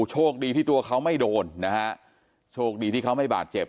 โชคดีที่ตัวเขาไม่โดนนะฮะโชคดีที่เขาไม่บาดเจ็บ